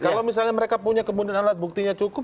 kalau misalnya mereka punya kemudian alat buktinya cukup